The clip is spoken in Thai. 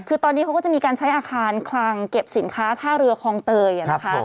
คือตอนนี้เขาก็จะมีการใช้อาคารคลังเก็บสินค้าท่าเรือคลองเตยนะคะ